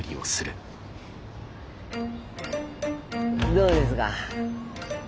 どうですか？